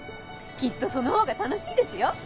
きっとそのほうが楽しいですよ！